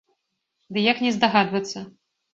Ды як не здагадвацца?